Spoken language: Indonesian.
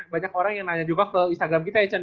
banyak orang yang nanya juga ke instagram kita ya cun ya